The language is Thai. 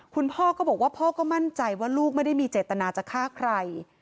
คุณพ่อก็บอกว่าพ่อก็มั่นใจว่าลูกไม่ได้มีเจตนาจะฆ่าใคร